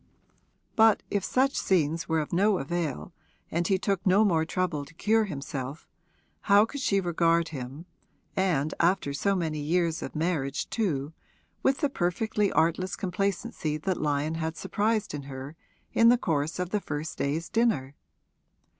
But if such scenes were of no avail and he took no more trouble to cure himself, how could she regard him, and after so many years of marriage too, with the perfectly artless complacency that Lyon had surprised in her in the course of the first day's dinner?